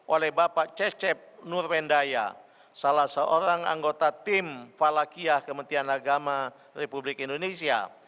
oleh bapak cecep nurwendaya salah seorang anggota tim falakiyah kementerian agama republik indonesia